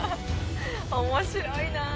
面白いなあ。